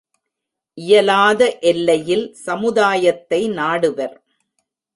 இயலாத எல்லையில் சமுதாயத்தை நாடுவர்.